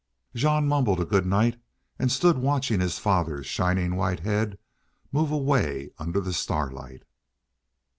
Jean mumbled a good night and stood watching his father's shining white head move away under the starlight.